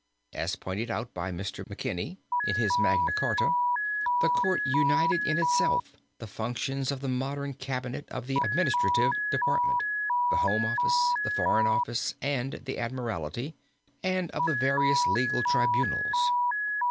As pointed out by Mr. McKechnie in his Magna Charta, the court united in itself the functions of the modern cabinet of the administrative department the home office, the foreign office and the admiralty, and of the various legal tribunals.